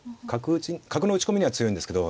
角の打ち込みには強いんですけど。